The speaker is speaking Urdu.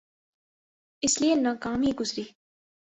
اس لئے ناکام ہی گزری۔